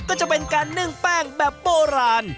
ก็จะเป็นการนึ่งแป้งแบบโบราณ